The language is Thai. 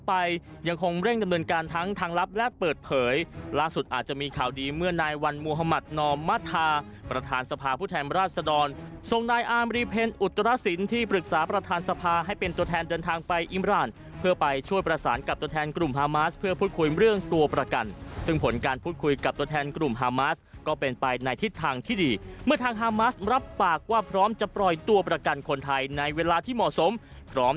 ภายอามรีเพลินอุตรศิลป์ที่ปรึกษาประทานสภาให้เป็นตัวแทนเดินทางไปอิมราณเพื่อไปช่วยประสานกับตัวแทนกลุ่มฮามาสเพื่อพูดคุยเรื่องตัวประกันซึ่งผลการพูดคุยกับตัวแทนกลุ่มฮามาสก็เป็นไปในทิศทางที่ดีเมื่อทางฮามาสรับปากว่าพร้อมจะปล่อยตัวประกันคนไทยในเวลาที่เหมาะสมพร้อม